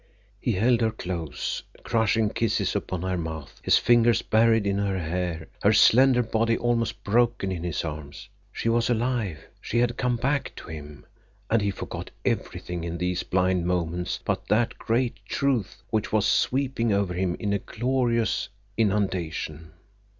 He held her close, crushing kisses upon her mouth, his fingers buried in her hair, her slender body almost broken in his arms. She was alive—she had come back to him—and he forgot everything in these blind moments but that great truth which was sweeping over him in a glorious inundation.